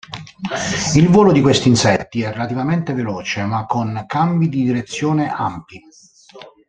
Il volo di questi insetti è relativamente veloce ma con cambi di direzione ampi.